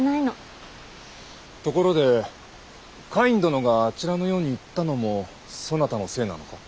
ところでカイン殿があちらの世に行ったのもそなたのせいなのか？